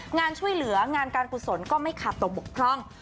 งานช่วยเหลืองานการกุศลก็ไม่ขาดตกบกพร่อง